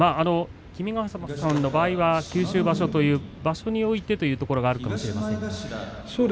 君ヶ濱さんの場合は九州場所という場所においてというところがあるかもしれませんが。